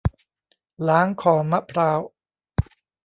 ล้างคอมะพร้าว